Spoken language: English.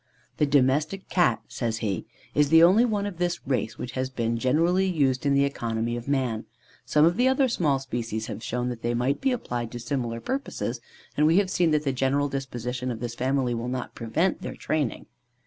"The domestic Cat," says he, "is the only one of this race which has been generally used in the economy of man. Some of the other small species have shown that they might be applied to similar purposes; and we have seen that the general disposition of this family will not prevent their training.